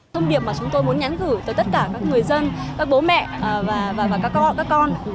thông điệp mà chúng tôi muốn nhắn gửi tới tất cả các người dân các bố mẹ và các con